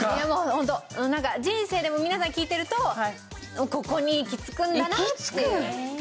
なんか人生でも皆さん聞いてるとここに行き着くんだなっていう。